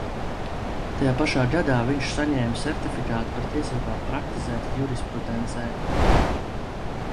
Tajā pašā gadā viņš saņēma sertifikātu par tiesībām praktizēt jurisprudencē.